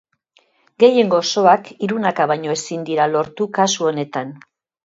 Gehiengo osoak hirunaka baino ezin dira lortu kasu honetan.